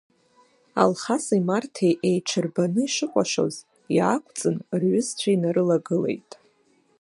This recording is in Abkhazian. Алхаси Марҭеи еиҽырбаны, ишыкәашоз, иаақәҵын, рҩызцәа инарылагылеит.